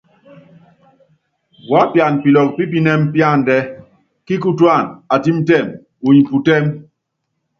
Wuápiana pilɔkɔ pípinɛm píándɛ, kíkutúana: Atɛ́mtɛm, unyi putɛ́m.